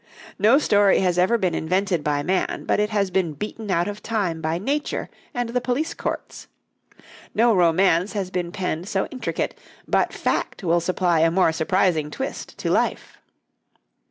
No story has ever been invented by man but it has been beaten out of time by Nature and the police courts; no romance has been penned so intricate but fact will supply a more surprising twist to life.